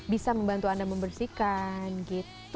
bisa membantu anda membersihkan gitu